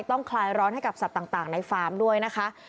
คลายร้อนให้กับสัตว์ต่างในฟาร์มด้วยนะคะ